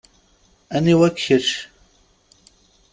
Aniwa-k kečč?